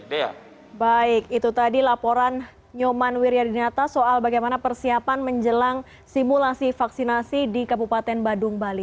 baik itu tadi laporan nyoman wiryadinata soal bagaimana persiapan menjelang simulasi vaksinasi di kabupaten badung bali